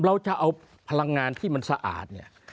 เราจะเอาพลังงานที่มันสะอาดเนี่ย